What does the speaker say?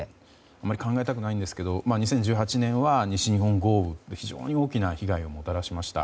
あまり考えたくないですが２０１８年は西日本豪雨で、非常に大きな被害をもたらしました。